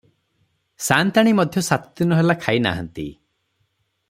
ସାଆନ୍ତାଣୀ ମଧ୍ୟ ସାତଦିନ ହେଲା ଖାଇନାହାନ୍ତି ।